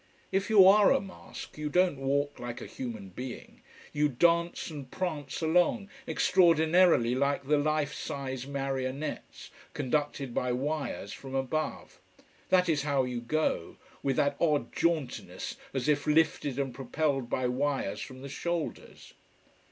If you are a mask you don't walk like a human being: you dance and prance along extraordinarily like the life size marionettes, conducted by wires from above. That is how you go: with that odd jauntiness as if lifted and propelled by wires from the shoulders.